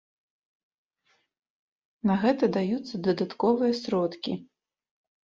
На гэта даюцца дадатковыя сродкі.